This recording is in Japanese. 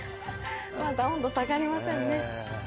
まだ温度下がりませんね。